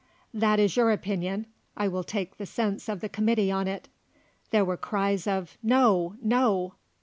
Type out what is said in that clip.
"That is your opinion; I will take the sense of the Committee on it." There were cries of "No! No!"